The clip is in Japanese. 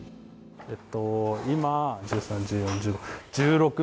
えっと今１３１４１５。